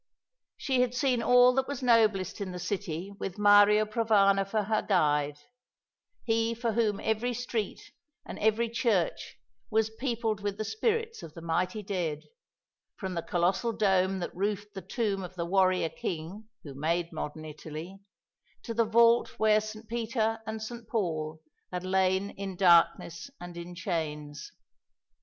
She had seen all that was noblest in the city with Mario Provana for her guide, he for whom every street and every church was peopled with the spirits of the mighty dead, from the colossal dome that roofed the tomb of the warrior king who made modern Italy, to the vault where St. Peter and St. Paul had lain in darkness and in chains.